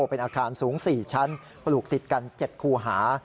เป็นอาคารสูง๔ชั้นปลูกติดกัน๗คูหา